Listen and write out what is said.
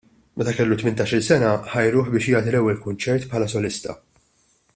Meta kellu tmintax-il sena ħajruh biex jagħti l-ewwel kunċert bħala solista.